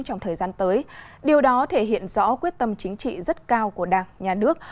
trong thời gian tới điều đó thể hiện rõ quyết tâm chính trị rất cao của đảng nhà nước